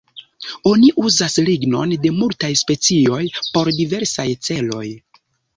Oni uzas lignon de multaj specioj por diversaj celoj.